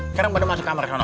sekarang pada masuk kamar